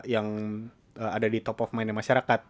yang ada di top of mind nya masyarakat